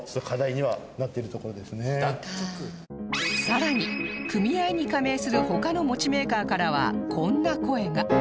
さらに組合に加盟する他のもちメーカーからはこんな声が